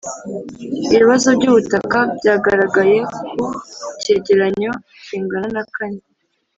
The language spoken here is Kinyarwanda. Ibibazo by ubutaka byagaragaye ku kigereranyo kingana nakane